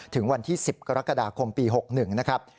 ถึงวันที่๑๐กรกฎาคมปี๖๑นะครับ